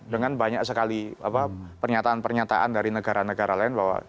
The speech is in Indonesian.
dengan banyak sekali pernyataan pernyataan dari negara negara lain bahwa